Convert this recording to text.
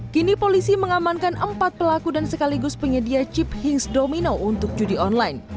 kini polisi mengamankan empat pelaku dan sekaligus penyedia chip hings domino untuk judi online